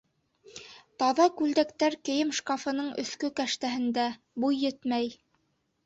Таҙа күлдәктәр кейем шкафының еҫкә кәштәһендә, буй етмәй.